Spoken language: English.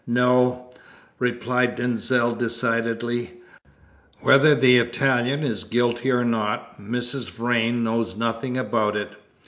"No," replied Denzil decidedly. "Whether the Italian is guilty or not, Mrs. Vrain knows nothing about it.